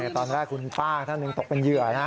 ตอนแรกคุณป้าท่านหนึ่งตกเป็นเหยื่อนะ